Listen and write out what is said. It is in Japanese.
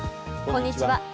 こんにちは。